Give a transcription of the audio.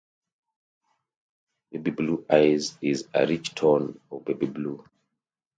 Baby blue eyes is a rich tone of baby blue.